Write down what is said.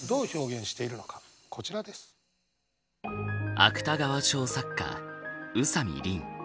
芥川賞作家宇佐見りん。